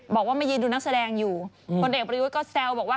บอกว่ามายืนดูนักแสดงอยู่คนเอกประยุทธ์ก็แซวบอกว่า